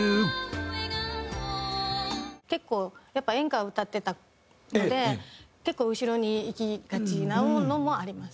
結構やっぱ演歌を歌ってたので結構後ろにいきがちなのもあります。